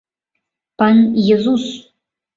— Пан езус!